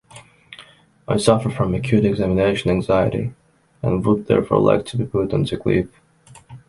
I suffer from acute examination anxiety and would therefore like to be put on sick leave.